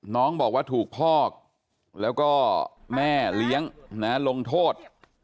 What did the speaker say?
น้องบอกว่าถูกพ่อแล้วก็แม่เลี้ยงลงโทษ